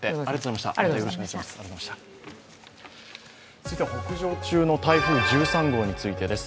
続いては、北上中の台風１３号についてです。